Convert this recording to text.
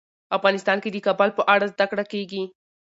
افغانستان کې د کابل په اړه زده کړه کېږي.